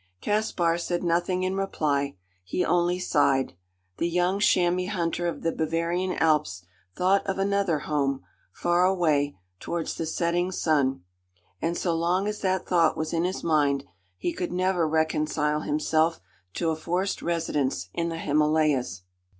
Caspar said nothing in reply. He only sighed. The young chamois hunter of the Bavarian Alps thought of another home far away towards the setting sun; and, so long as that thought was in his mind, he could never reconcile himself to a forced residence in the Himalayas.